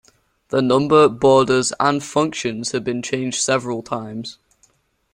Their number, borders and functions have been changed several times.